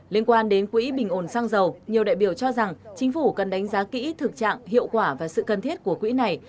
liên quan đến quỹ bình ổn xăng dầu nhiều đại biểu cho rằng chính phủ cần đánh giá kỹ thực trạng hiệu quả và sự cần thiết của quỹ này